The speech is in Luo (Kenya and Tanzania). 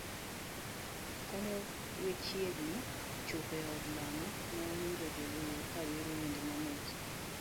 Kane wachiegni chopo e od lamo, newawinjo jo wer kawero wende mamit.